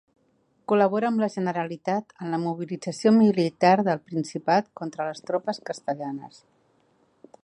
Col·laborà amb la Generalitat en la mobilització militar del Principat contra les tropes castellanes.